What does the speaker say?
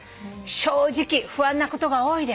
正直不安なことが多いです」